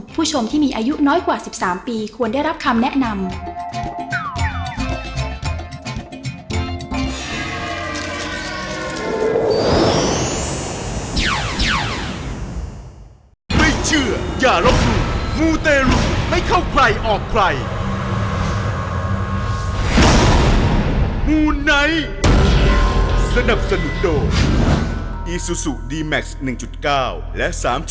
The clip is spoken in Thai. ผู้ชมที่มีอายุน้อยกว่า๑๓ปีควรได้รับคำแนะนำ